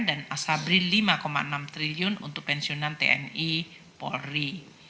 dan asabri lima enam triliun untuk pensiunan tni polri